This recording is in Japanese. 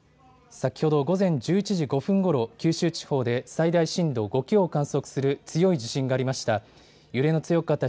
先ほど午前１１時５分ごろ、九州地方で最大震度５強を観測する強い地震がありました。